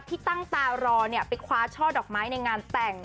ที่ตั้งตารอไปคว้าช่อดอกไม้ในงานแต่ง